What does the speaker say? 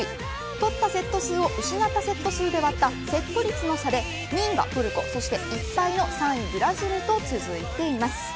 取ったセット数を失ったセット数で割ったセット率の差で２位がトルコそして１敗の３位ブラジルと続いています。